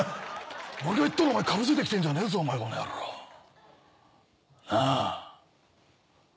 俺が言ったらお前かぶせてきてんじゃねえぞお前この野郎。なあ？